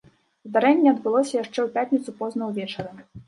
Здарэнне адбылося яшчэ ў пятніцу позна ўвечары.